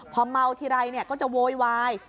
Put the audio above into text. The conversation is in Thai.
พอเมาทีไรเนี่ยก็จะโวยวาย